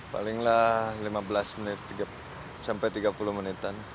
palinglah lima belas menit sampai tiga puluh menitan